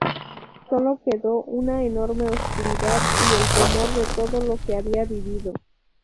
Solo quedó una enorme oscuridad y el temor de todo lo que había vivido.